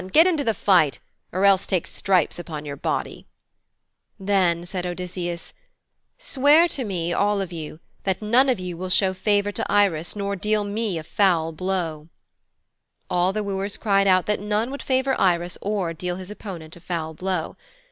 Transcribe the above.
Get into the fight or else take stripes upon your body,' Then said Odysseus, 'Swear to me, all of you, that none of you will show favour to Irus nor deal me a foul blow,' All the wooers cried out that none would favour Irus or deal his opponent a foul blow.